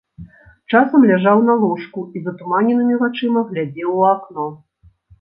Часам ляжаў на ложку і затуманенымі вачыма глядзеў у акно.